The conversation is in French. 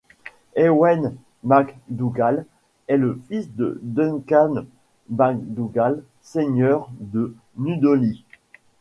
Ewen MacDougall est le fils de Duncan MacDougall seigneur de Dunollie.